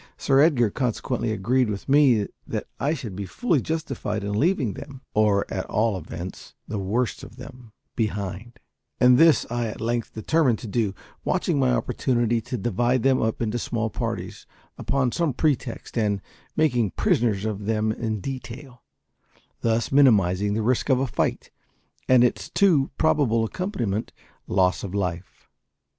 Sir Edgar consequently agreed with me that I should be fully justified in leaving them or, at all events, the worst of them behind; and this I at length determined to do; watching my opportunity to divide them up into small parties, upon some pretext, and making prisoners of them in detail; thus minimising the risk of a fight and its too probable accompaniment, loss of life.